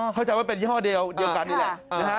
อ๋อเข้าใจว่าเป็นยี่ห้อเดียวกันนี้แหละ